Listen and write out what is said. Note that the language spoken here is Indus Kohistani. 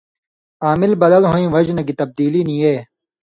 عامل بدل ہُوئیں وجہۡ نہ گی تبدیلی نی اے